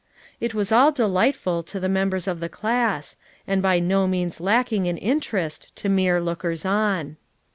It was all delightful to the members of the class, and by no means lacking in interest to mere lookers on.